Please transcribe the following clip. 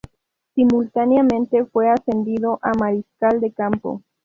Simultáneamente fue ascendido a mariscal de campo.